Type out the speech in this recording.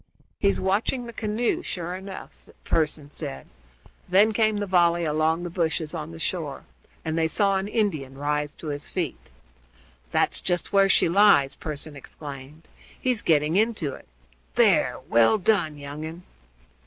"He's watching the canoe, sure enough," Pearson said. Then came the volley along the bushes on the shore, and they saw an Indian rise to his feet. "That's just where she lies!" Pearson exclaimed; "he's getting into it. There! well done, young un."